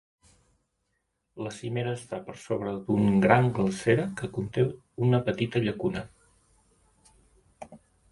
La cimera està per sobre d'un gran glacera que conté una petita llacuna.